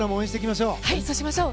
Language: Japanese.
そうしましょう。